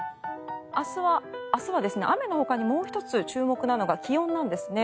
明日は雨のほかにもう１つ注目なのが気温なんですね。